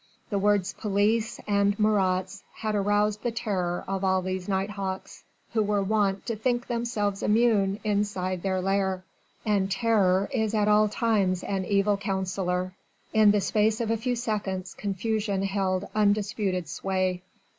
The words "police" and "Marats" had aroused the terror of all these night hawks, who were wont to think themselves immune inside their lair: and terror is at all times an evil counsellor. In the space of a few seconds confusion held undisputed sway.